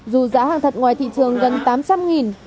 dù giá hàng thật ngoài thị trường gần tám trăm linh